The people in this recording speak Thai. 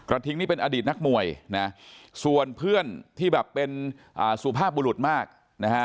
ทิ้งนี่เป็นอดีตนักมวยนะส่วนเพื่อนที่แบบเป็นสุภาพบุรุษมากนะฮะ